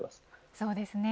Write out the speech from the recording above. そうですね。